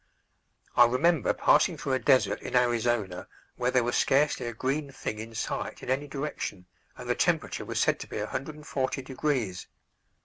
I remember passing through a desert in Arizona where there was scarcely a green thing in sight in any direction, and the temperature was said to be 140 degrees.